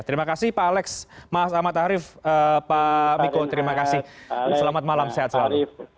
terima kasih pak alex mas ahmad arief pak miko terima kasih selamat malam sehat selalu